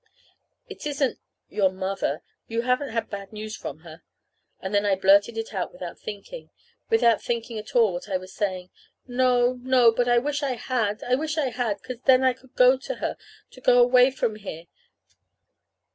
"It isn't your mother you haven't had bad news from her?" And then I blurted it out without thinking without thinking at all what I was saying: "No, no but I wish I had, I wish I had; 'cause then I could go to her, and go away from here!"